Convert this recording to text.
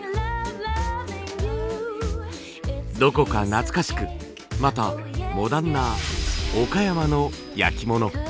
どこか懐かしくまたモダンな岡山の焼き物。